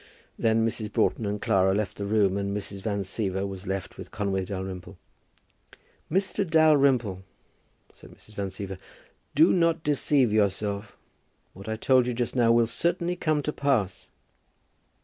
Then Mrs. Broughton and Clara left the room, and Mrs. Van Siever was left with Conway Dalrymple. "Mr. Dalrymple," said Mrs. Van Siever, "do not deceive yourself. What I told you just now will certainly come to pass."